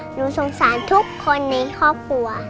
หนูสงสารทุกคนในครอบครัว